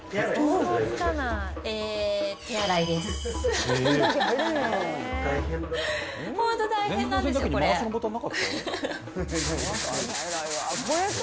手洗いですか？